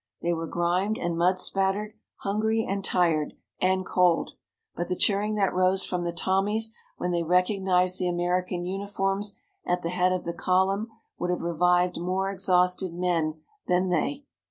They were grimed and mud spattered, hungry, and tired, and cold. But the cheering that rose from the Tommies when they recognized the American uniforms at the head of the column would have revived more exhausted men than they.